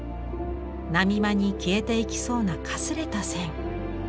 波間に消えていきそうなかすれた線。